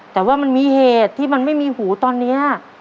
แต่ว่ามันมีเหตุที่มันไม่มีหูตอนนี้